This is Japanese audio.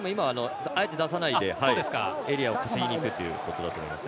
あえて出さないでエリアを稼ぎにいくということだと思います。